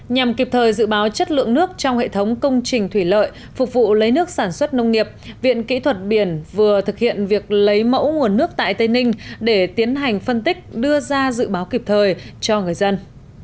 nhằm kịp thời dự báo chất lượng nước trong hệ thống công trình thủy lợi phục vụ lấy nước sản xuất nông nghiệp viện kỹ thuật biển vừa thực hiện việc lấy mẫu nguồn nước tại tây ninh để tiến hành phân tích đưa ra dự báo kịp thời cho người dân